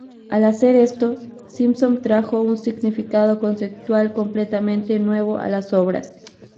Al hacer esto, Simpson trajo un significado conceptual completamente nuevo a las obras.